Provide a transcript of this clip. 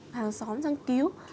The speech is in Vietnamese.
hàng xóm sang cứu